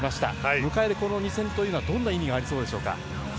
迎えるこの２戦というのはどんな意味がありそうでしょうか。